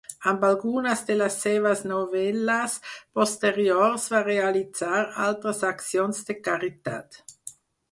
Amb algunes de les seves novel·les posteriors va realitzar altres accions de caritat.